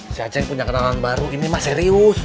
si acing punya kenalan baru ini mak serius